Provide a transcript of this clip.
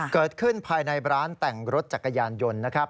เกิดขึ้นภายในร้านแต่งรถจักรยานยนต์นะครับ